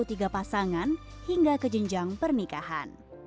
sekitar lima puluh tiga pasangan hingga ke jenjang pernikahan